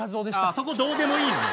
そこどうでもいいのよ